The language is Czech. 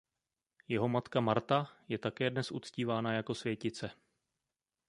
Jeho matka Marta je také dnes uctívána jako světice.